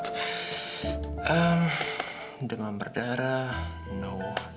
demam demam berdarah no